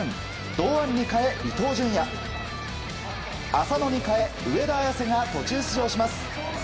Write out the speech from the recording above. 堂安に代え、伊東純也浅野に代え、上田綺世が途中出場します。